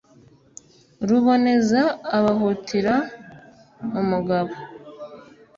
ruboneza abahutira umugabo